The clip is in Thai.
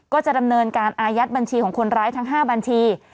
ก็จะดำเนินการอายัดบัญชีของคนร้ายทั้ง๕บัญชี